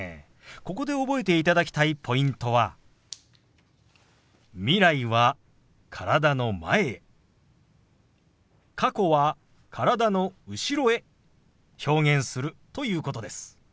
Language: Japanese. ここで覚えていただきたいポイントは未来は体の前へ過去は体の後ろへ表現するということです。